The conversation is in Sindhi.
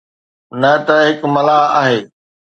نه ته هڪ ملاح آهي.